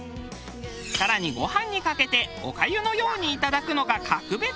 更にご飯にかけてお粥のようにいただくのが格別！